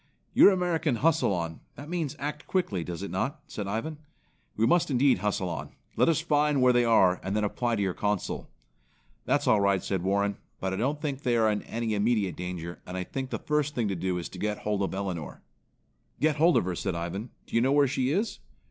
"Your American hustle on; that means act quickly, does it not?" said Ivan. "We must indeed hustle on. Let us find where they are, and then apply to your Consul." "That's all right," said Warren, "but I don't think they are in any immediate danger and I think the first thing to do is to got hold of Elinor." "Get hold of her," said Ivan. "Do you know where she is?"